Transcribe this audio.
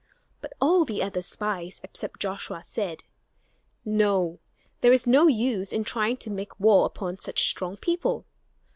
But all the other spies, except Joshua, said, "No, there is no use in trying to make war upon such strong people.